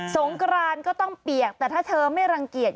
งกรานก็ต้องเปียกแต่ถ้าเธอไม่รังเกียจ